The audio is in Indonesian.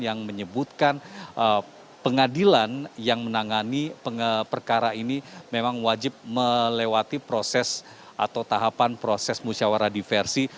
yang menyebutkan pengadilan yang menangani perkara ini memang wajib melewati proses atau tahapan proses musyawarah diversi